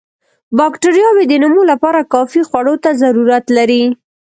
باکټریاوې د نمو لپاره کافي خوړو ته ضرورت لري.